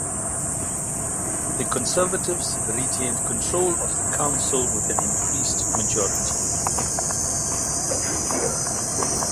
The Conservatives retained control of the council with an increased majority.